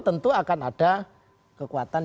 tentu akan ada kekuatan